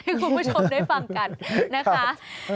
ให้คุณผู้ชมได้ฟังกันนะคะ